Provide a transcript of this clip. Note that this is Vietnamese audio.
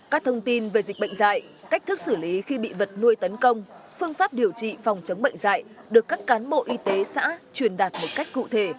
các thông tin về dịch bệnh dạy cách thức xử lý khi bị vật nuôi tấn công phương pháp điều trị phòng chống bệnh dạy được các cán bộ y tế xã truyền đạt một cách cụ thể